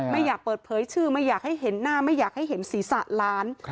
ไม่อยากเปิดเผยชื่อไม่อยากให้เห็นหน้าไม่อยากให้เห็นศีรษะล้าน